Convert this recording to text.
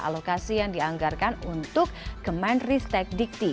alokasi yang dianggarkan untuk kemenristek dikti